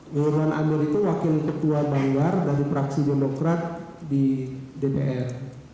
nurman amir itu wakil ketua banggar dari fraksi demokrat di dpr